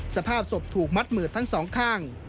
สภาพศพถูกมัดมือทั้งสองข้าง